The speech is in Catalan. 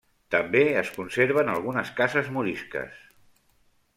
També es conserven algunes cases morisques.